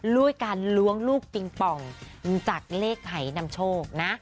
ด้วยการล้วงลูกปิงปองจากเลขหายนำโชคนะ